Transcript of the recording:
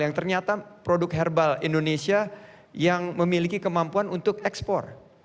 yang ternyata produk herbal indonesia yang memiliki kemampuan untuk ekspor